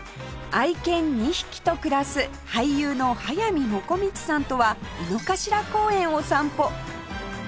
愛犬２匹と暮らす俳優の速水もこみちさんとは井の頭公園を散歩